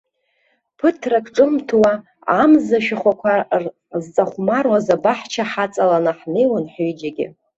Ԥыҭрак ҿымҭуа, амза ашәахәақәа зҵахәмаруаз абаҳча ҳаҵаланы ҳнеиуан ҳҩыџьагьы.